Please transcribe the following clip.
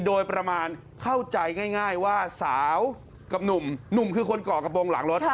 โดยประมาณเข้าใจง่ายว่าสาวกับหนุ่มหนุ่มคือคนเกาะกระโปรงหลังรถ